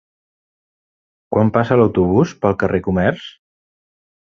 Quan passa l'autobús pel carrer Comerç?